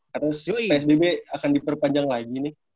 karena psbb akan diperpanjang lagi nih